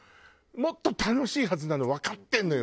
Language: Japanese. もっと楽しいはずなのわかってるのよ人生が。